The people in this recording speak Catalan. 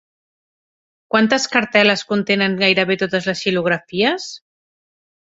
Quantes cartel·les contenen gairebé totes les xilografies?